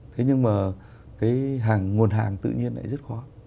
thế nhưng mà cái nguồn hàng tự nhiên lại rất khó